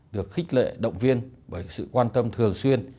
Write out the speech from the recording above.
được khích lệ động viên bởi sự quan tâm thường xuyên